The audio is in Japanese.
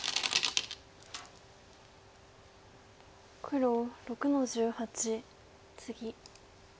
黒６の十八ツギ。